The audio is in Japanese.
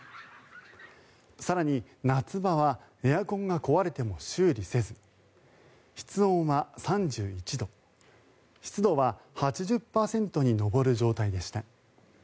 更に、夏場はエアコンが壊れても修理せず室温は３１度湿度は８０％に上る状態でした。